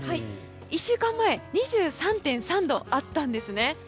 １週間前２３．３度あったんですね。